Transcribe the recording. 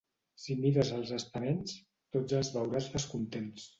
Si mires els estaments, tots els veuràs descontents.